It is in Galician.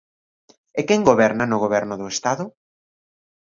¿E quen goberna no Goberno do Estado?